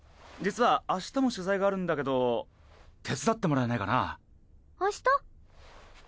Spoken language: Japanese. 実は明日も取材があるんだけど手伝ってもらえないかな？